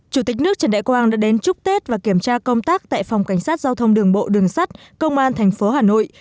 chủ tịch nước trần đại quang đã đến chúc tết và kiểm tra công tác tại phòng cảnh sát giao thông đường bộ đường sắt công an thành phố hà nội